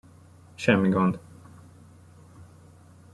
Semmi gond.